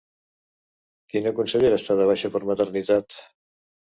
Quina consellera està de baixa per maternitat?